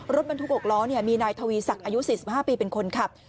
รถบรรทุก๖ล้อมีนายทวีศักดิ์อายุ๔๕ปีเป็นคนขับ